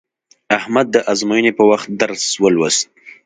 احمد د ازموینې په وخت درس ولوست.